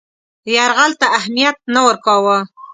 یرغل ته اهمیت نه ورکاوه.